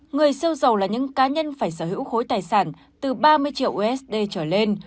người siêu giàu là những cá nhân phải sở hữu khối tài sản từ ba mươi triệu usd trở lên